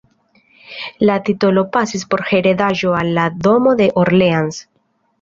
La titolo pasis por heredaĵo al la Domo de Orleans.